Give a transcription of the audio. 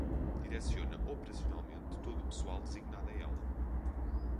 Direciona operacionalmente todo o pessoal designado a ela.